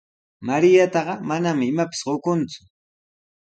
Mariataqa manami imapis qukunku.